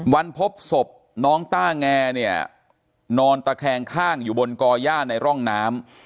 พบศพน้องต้าแงเนี่ยนอนตะแคงข้างอยู่บนก่อย่าในร่องน้ำ